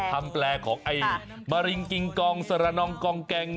แปลของไอ้มะริงกิงกองสระนองกองแกง